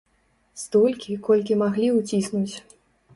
Столькі, колькі маглі ўціснуць.